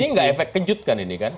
ini gak efek kejut kan ini kan